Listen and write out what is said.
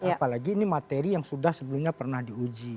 apalagi ini materi yang sudah sebelumnya pernah diuji